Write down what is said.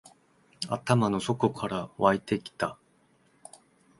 頭の底から湧いてきた